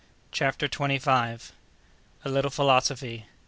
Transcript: CHAPTER TWENTY FIFTH. A Little Philosophy.